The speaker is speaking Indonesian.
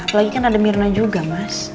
apalagi kan ada mirna juga mas